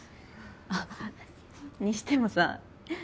あっにしてもさ